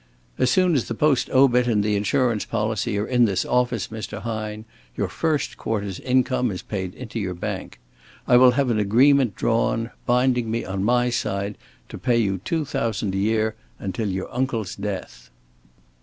As soon as the post obit and the insurance policy are in this office, Mr. Hine, your first quarter's income is paid into your bank. I will have an agreement drawn, binding me on my side to pay you two thousand a year until your uncle's death."